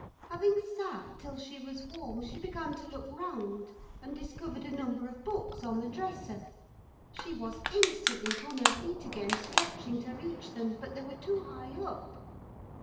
Having sat till she was warm, she began to look round, and discovered a number of books on the dresser; she was instantly upon her feet again, stretching to reach them: but they were too high up.